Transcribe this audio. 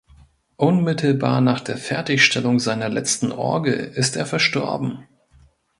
Unmittelbar nach der Fertigstellung seiner letzten Orgel ist er verstorben.